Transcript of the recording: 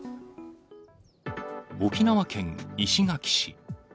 沖縄県石垣市。